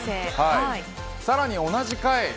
さらに同じ回。